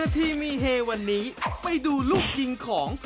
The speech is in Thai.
ทีมีเฮวันนี้ไปดูลูกยิงของ